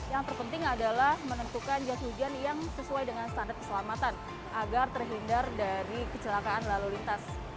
yang terpenting adalah menentukan jas hujan yang sesuai dengan standar keselamatan agar terhindar dari kecelakaan lalu lintas